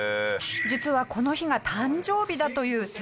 実はこの日が誕生日だという青年。